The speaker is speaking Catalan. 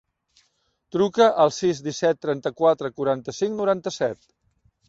Truca al sis, disset, trenta-quatre, quaranta-cinc, noranta-set.